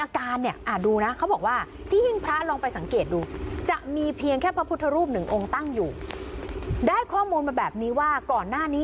แค่พระพุทธรูปหนึ่งองค์ตั้งอยู่ได้ข้อมูลแบบนี้ว่าก่อนหน้านี้